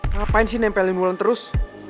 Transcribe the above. ngapain sih nempelin mulan terus